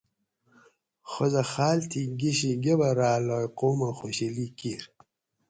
خوازہ خال تھی گِشی گبرالاۓ قومہ خوشیلی کیر